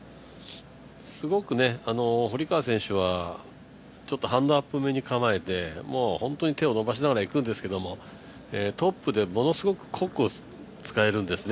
堀川選手はハンドアップ目に構えて、もう手を伸ばしながらいくんですけれども、トップでものすごくコックを使えるんですね。